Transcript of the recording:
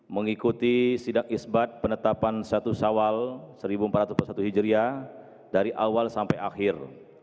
mengikuti sidak isbat penetapan satu sawal seribu empat ratus empat puluh satu hijriah dari awal sampai akhir